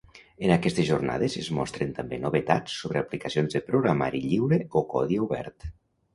En aquestes jornades es mostren també novetats sobre aplicacions de programari lliure o codi obert.